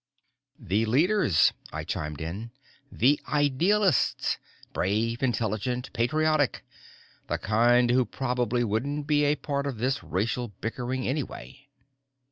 "The leaders," I chimed in. "The idealists. Brave, intelligent, patriotic. The kind who probably wouldn't be a part of this racial bickering, anyway."